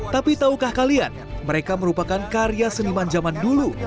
tapi tahukah kalian mereka merupakan karya seniman zaman dulu